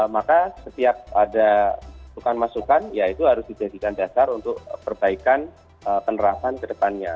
maka setiap ada tukang masukan ya itu harus dijadikan dasar untuk perbaikan penerapan kedepannya